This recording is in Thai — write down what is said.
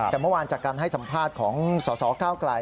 แต่เมื่อวานจากการให้สัมภาษณ์ของสสเก้าไกล